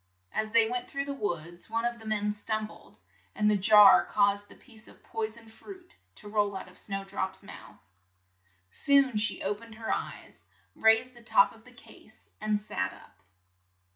As they went through the woods, one of the men stum bled, and the jar caused the piece of poi soned fruit to roll out of Snow drop's mouth. Soon she o pened her eyes, raised the top of the case and sat up.